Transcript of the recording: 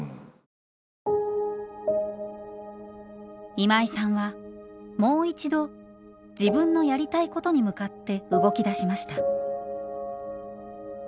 今井さんはもう一度自分のやりたいことに向かって動きだしました。